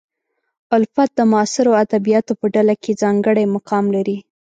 الفت د معاصرو ادیبانو په ډله کې ځانګړی مقام لري.